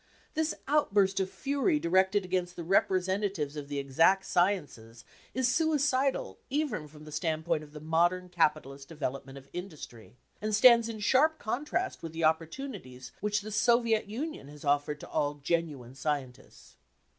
This outburst of fury directed against the representatives of the exact sciences is suicidal even from the standpoint of the modern capitalist development of industry, and stands in sharp contrast with the opportunities which the Soviet Union has offered to all genuine scientists.